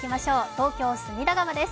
東京・隅田川です。